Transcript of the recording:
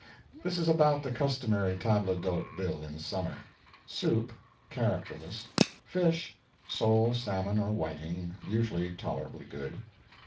This is about the customary table d'hôte bill in summer: Soup (characterless). Fish sole, salmon, or whiting usually tolerably good.